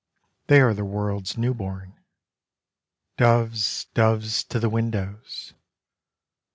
They are the world's new born: Doves, doves to the windows!